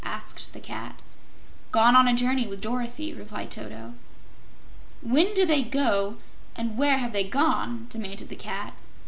asked the Cat. "Gone on a journey with Dorothy," replied Toto. "When did they go, and where have they gone?" demanded the Cat.